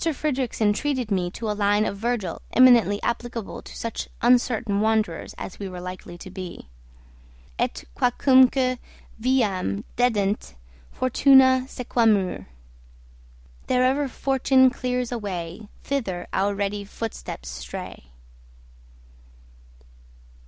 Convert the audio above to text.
Fridrikssen treated me to a line of Virgil eminently applicable to such uncertain wanderers as we were likely to be: "Et quacumque viam dedent fortuna sequamur." "Therever fortune clears a way, Thither our ready footsteps stray."